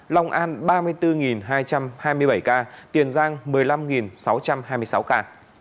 long an ba mươi bốn hai trăm hai mươi bảy ca tiền giang một mươi năm sáu trăm hai mươi sáu ca